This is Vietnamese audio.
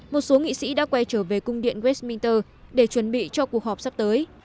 một số nghị sĩ đã quay trở về cung điện westminster để chuẩn bị cho cuộc họp sắp tới